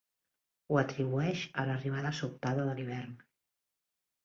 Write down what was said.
Ho atribueix a l'arribada sobtada de l'hivern.